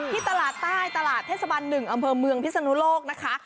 ที่ตลาดใต้ตลาดเทศบัน๑อำเภอเมืองพิศนุโลกนะคะ